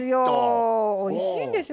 おいしいんですよ